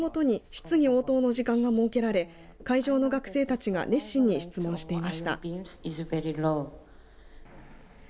発表が終わるごとに質疑応答の時間が設けられ会場の学生たちが熱心に質問していました。